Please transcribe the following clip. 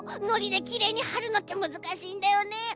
のりでキレイにはるのってむずかしいんだよね。